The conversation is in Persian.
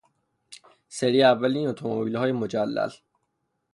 سری اول این اتومبیل های مجلل